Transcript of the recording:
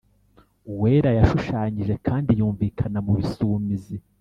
uwera yashushanyije kandi yumvikana mubisumizi